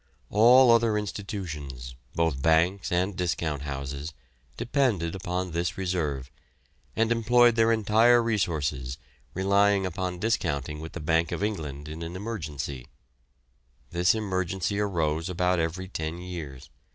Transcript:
All other institutions, both banks and discount houses, depended upon this reserve, and employed their entire resources, relying upon discounting with the Bank of England in an emergency. This emergency arose about every ten years.